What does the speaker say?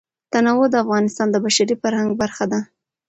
تنوع د افغانستان د بشري فرهنګ برخه ده.